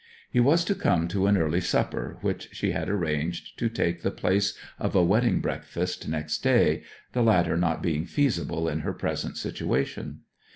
He was to come to an early supper, which she had arranged to take the place of a wedding breakfast next day the latter not being feasible in her present situation.